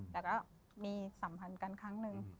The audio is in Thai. แต่ก็มีสัมพันธ์กันครั้งหนึ่ง